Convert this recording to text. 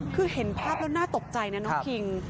คือเห็นภาพแล้วน่าตกใจนะน้องคิง